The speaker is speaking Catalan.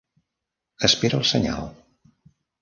Espera el senyal!